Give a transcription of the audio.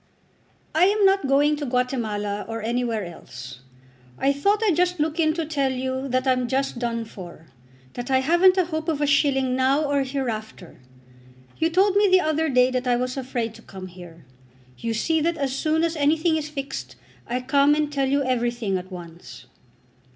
"I am not going to Guatemala or anywhere else. I thought I'd just look in to tell you that I'm just done for, that I haven't a hope of a shilling now or hereafter. You told me the other day that I was afraid to come here. You see that as soon as anything is fixed, I come and tell you everything at once."